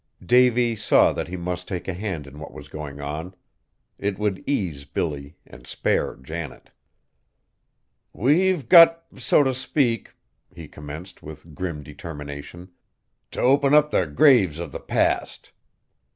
Davy saw that he must take a hand in what was going on. It would ease Billy and spare Janet. "We've got, so t' speak," he commenced with grim determination, "t' open up the grave of the Past."